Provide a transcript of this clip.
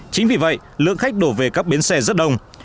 chính vì vậy lượng khách đổ về các bến xe rất đông